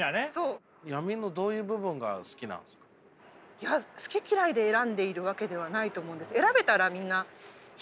いや好き嫌いで選んでいるわけではないと思うんです。